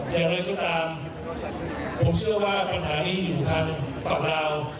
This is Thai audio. อย่างไรก็ตามผมเชื่อว่าปัญหานี้อยู่ทางฝั่งเรา